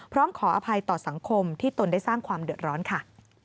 พร้อมขออภัยต่อสังคมที่ตนได้สร้างความเดือดร้อนค่ะ